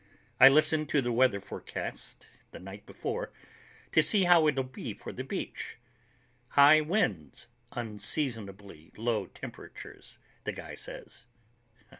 I listen to the weather forecast the night before, to see how it'll be for the beach. "High winds, unseasonably low temperatures," the guy says.